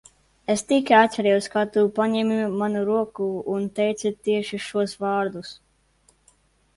Es tikai atcerējos, kā tu paņēmi manu roku un teici tieši šos vārdus.